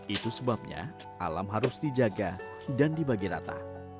itu sebabnya alam harus dijaga dan dibagi rata